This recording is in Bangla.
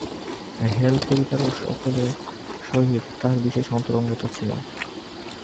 হেল-পরিবারের সকলের সহিত তাঁহার বিশেষ অন্তরঙ্গতা হইয়াছিল।